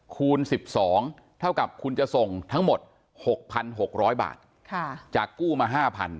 คูณ๑๒เท่ากับคุณจะส่งทั้งหมด๖๖๐๐บาทจากกู้มา๕๐๐